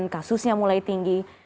kasusnya mulai tinggi